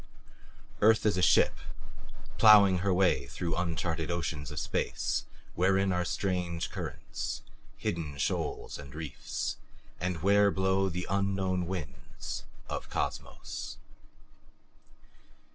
Earth is a ship, plowing her way through uncharted oceans of space wherein are strange currents, hidden shoals and reefs, and where blow the unknown winds of Cosmos.